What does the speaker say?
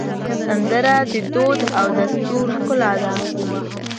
سندره د دود او دستور ښکلا ده